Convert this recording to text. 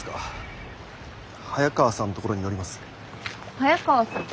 早川さん。